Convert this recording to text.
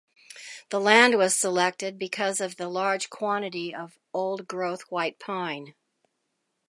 The land was selected because of the large quantity of old growth white pine.